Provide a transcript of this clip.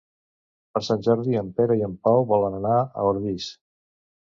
Per Sant Jordi en Pere i en Pau volen anar a Ordis.